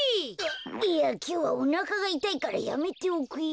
いやきょうはおなかがいたいからやめておくよ。